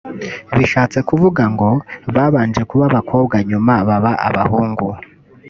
bishatse kuvuga ngo babanje kuba abakobwa nyuma baba abahungu